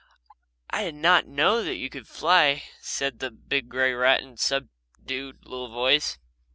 "I did not know that you could fly," said the big grey rat in a subdued little voice.